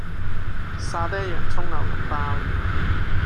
沙爹洋蔥牛肉包